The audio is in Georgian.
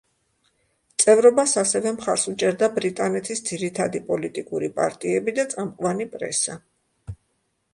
წევრობას ასევე მხარს უჭერდა ბრიტანეთის ძირითადი პოლიტიკური პარტიები და წამყვანი პრესა.